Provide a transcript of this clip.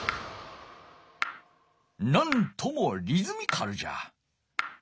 なんともリズミカルじゃ。